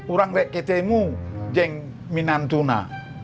orang tidak kata kamu jeng minantuna